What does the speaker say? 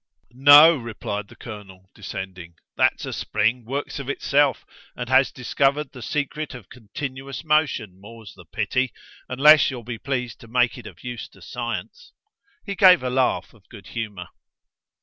"No," replied the colonel, descending. "That's a spring works of itself and has discovered the secret of continuous motion, more's the pity! unless you'll be pleased to make it of use to Science." He gave a laugh of good humour.